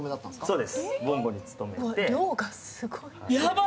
そうです。